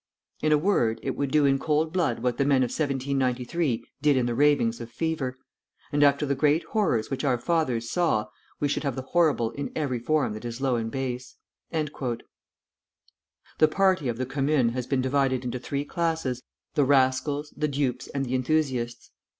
In a word, it would do in cold blood what the men of 1793 did in the ravings of fever; and after the great horrors which our fathers saw, we should have the horrible in every form that is low and base." The party of the Commune has been divided into three classes, the rascals, the dupes, and the enthusiasts.